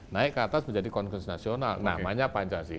naik ke atas menjadi konferensi nasional namanya pancasila